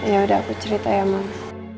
ya udah aku cerita ya mas